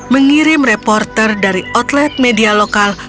mengirim reporter dari outlet media lokal